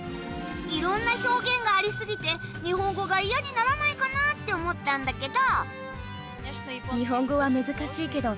いろんな表現があり過ぎて日本語が嫌にならないかな？って思ったんだけど。